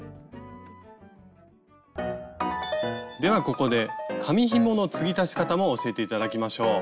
ではここで紙ひもの継ぎ足し方も教えて頂きましょう。